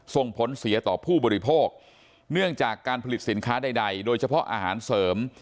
ส่งผลเสียต่อผู้บริโภคเนื่องจากการผลิตสินค้าใดโดยเฉพาะอาหารเสริม